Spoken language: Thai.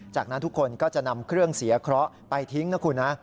จากนั้นทุกคนก็จะนำเครื่องเสียเคราะห์ไปทิ้งนะคุณนะ